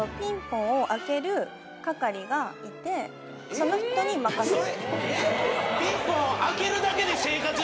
その人に任せて。